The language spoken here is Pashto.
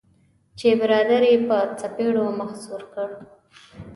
چې برادر یې په څپیړو مخ سور کړ.